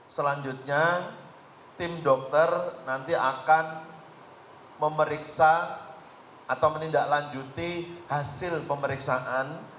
selanjutnya tim dokter nanti akan memeriksa atau menindaklanjuti hasil pemeriksaan